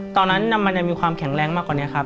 ตอนนั้นมันจะมีความแข็งแรงมากกว่านี้ครับ